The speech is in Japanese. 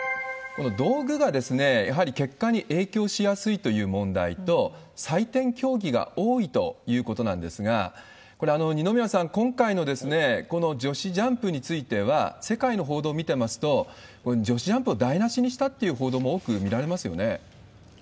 この道具がやはり結果に影響しやすいという問題と、採点競技が多いということなんですが、これは二宮さん、今回のこの女子ジャンプについては、世界の報道見てますと、女子ジャンプを台無しにしたという報道も多く見られますよね。